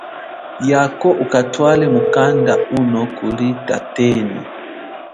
Yako ukatwale mukanda uno kuli tatenu.